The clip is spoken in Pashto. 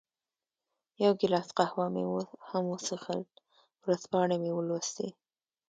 یو ګیلاس قهوه مې هم وڅېښل، ورځپاڼې مې ولوستې.